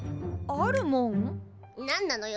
何なのよ？